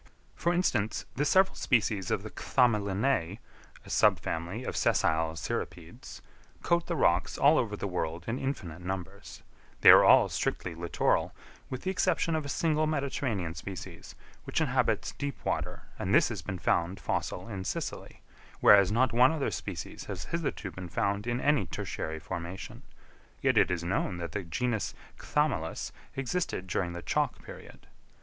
For instance, the several species of the Chthamalinæ (a sub family of sessile cirripedes) coat the rocks all over the world in infinite numbers: they are all strictly littoral, with the exception of a single Mediterranean species, which inhabits deep water and this has been found fossil in Sicily, whereas not one other species has hitherto been found in any tertiary formation: yet it is known that the genus Chthamalus existed during the Chalk period.